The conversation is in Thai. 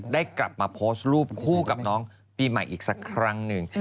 ได้กลับมาโพสต์รูปคู่กับน้องปีใหม่อีกสักครั้งหนึ่ง